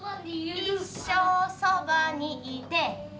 「一生そばにいて」